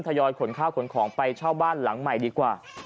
ยอยขนข้าวขนของไปเช่าบ้านหลังใหม่ดีกว่า